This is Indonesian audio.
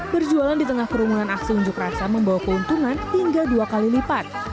berjualan di tengah kerumunan aksi unjuk rasa membawa keuntungan hingga dua kali lipat